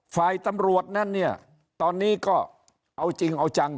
ฝ่ายตำรวจนั้นเนี่ยตอนนี้ก็เอาจริงเอาจัง